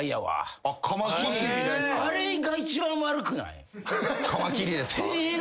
あれが一番悪くない？